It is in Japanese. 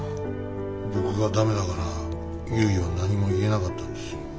僕がダメだからゆいは何も言えなかったんです。